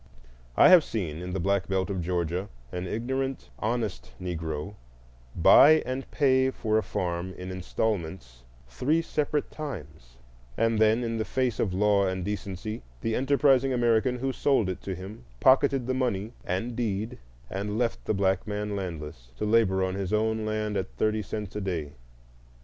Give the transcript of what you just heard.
I have seen, in the Black Belt of Georgia, an ignorant, honest Negro buy and pay for a farm in installments three separate times, and then in the face of law and decency the enterprising American who sold it to him pocketed the money and deed and left the black man landless, to labor on his own land at thirty cents a day.